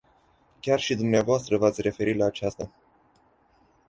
Chiar și dvs. v-ați referit la aceasta.